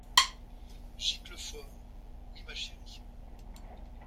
Giclefort. — Oui, ma chérie.